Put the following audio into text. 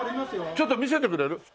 ちょっと見せてくれる？